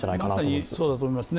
まさにそうだと思いますね。